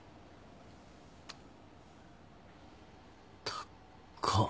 たっか。